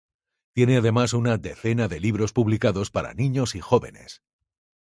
Tiene además, una decena de libros publicados para niños y jóvenes.